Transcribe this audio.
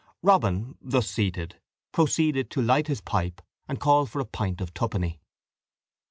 Robin, thus seated, proceeded to light his pipe and call for a pint of twopenny.